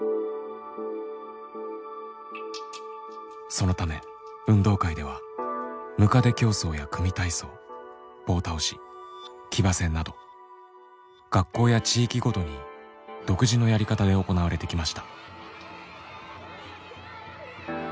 そのため運動会ではむかで競走や組体操棒倒し騎馬戦など学校や地域ごとに独自のやり方で行われてきました。